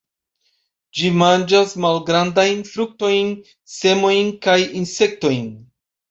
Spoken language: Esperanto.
Ĝi manĝas malgrandajn fruktojn, semojn kaj insektojn.